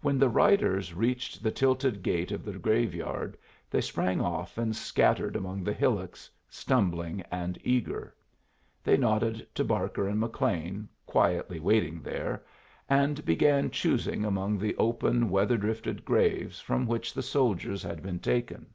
When the riders reached the tilted gate of the graveyard, they sprang off and scattered among the hillocks, stumbling and eager. They nodded to Barker and McLean, quietly waiting there, and began choosing among the open, weather drifted graves from which the soldiers had been taken.